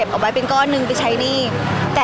พี่ตอบได้แค่นี้จริงค่ะ